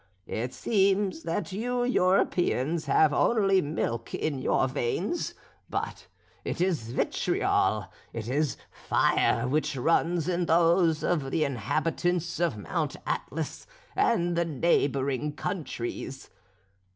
It seems that you Europeans have only milk in your veins; but it is vitriol, it is fire which runs in those of the inhabitants of Mount Atlas and the neighbouring countries.